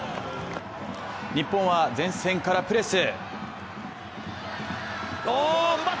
日本は前線からプレス。